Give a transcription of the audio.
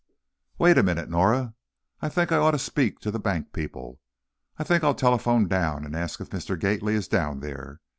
"Wait a minute, Norah: I think I ought to speak to the bank people. I think I'll telephone down and ask if Mr. Gately is down there.